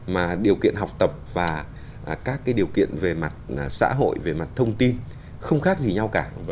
mà điều kiện học tập và các cái điều kiện về mặt xã hội về mặt thông tin không khác gì nhau cả